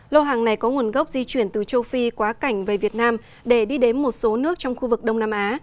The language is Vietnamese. lô hàng này có nguồn gốc di chuyển từ châu phi quá cảnh về việt nam để đi đến một số nước trong khu vực đông nam á